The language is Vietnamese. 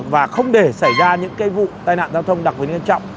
và không để xảy ra những vụ tai nạn giao thông đặc biệt nghiêm trọng